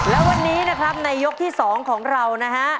และวันนี้นะครับในยกที่๒ของเรานะฮะ